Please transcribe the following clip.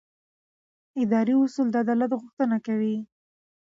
اداري اصول د عدالت غوښتنه کوي.